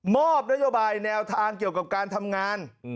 อบนโยบายแนวทางเกี่ยวกับการทำงาน